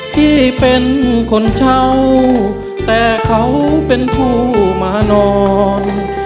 ที่เป็นคนเช่าแต่เขาเป็นผู้มานอน